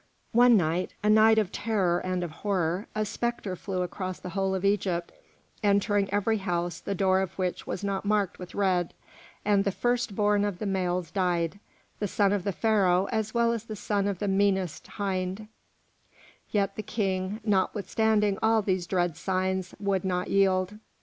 One night, a night of terror and of horror, a spectre flew across the whole of Egypt, entering every house the door of which was not marked with red, and the first born of the males died, the son of the Pharaoh as well as the son of the meanest hind; yet the King, notwithstanding all these dread signs, would not yield.